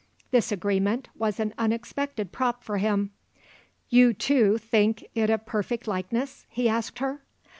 This agreement was an unexpected prop for him. "You, too, think it a perfect likeness?" he asked her.